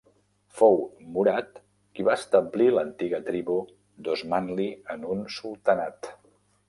Fou Murad qui va establir l'antiga tribu d'Osmanli en un sultanat.